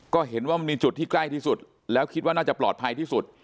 ก็เห็นว่ามันมีจุดที่ใกล้ที่สุดแล้วคิดว่าน่าจะปลอดภัยที่สุด